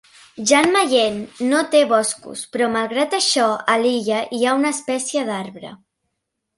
Jan Mayen no té boscos però malgrat això a l'illa hi ha una espècie d'arbre.